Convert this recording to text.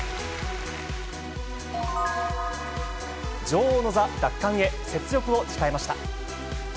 女王の座奪還へ、雪辱を誓いました。